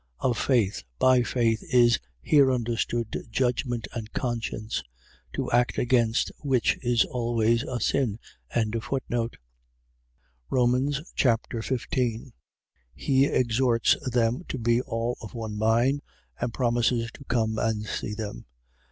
Of faith. . .By faith is here understood judgment and conscience: to act against which is always a sin. Romans Chapter 15 He exhorts them to be all of one mind and promises to come and see them.